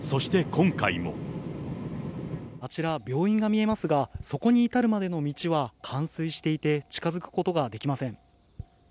あちら、病院が見えますが、そこに至るまでの道は冠水していて、近づくことができません。